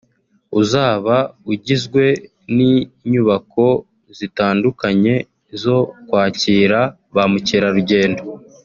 uzaba ugizwe n’inyubako zitandukanye zo kwakira ba mukerarugendo